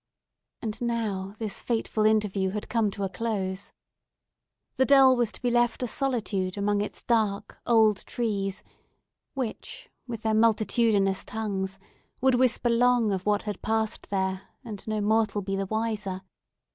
And now this fateful interview had come to a close. The dell was to be left in solitude among its dark, old trees, which, with their multitudinous tongues, would whisper long of what had passed there, and no mortal be the wiser.